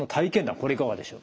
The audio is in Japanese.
これいかがでしょう？